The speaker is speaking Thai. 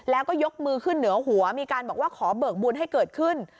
แล้วก็ยกมือขึ้นเหนือหัวมีการบอกว่าขอเบิกบุญให้เกิดขึ้น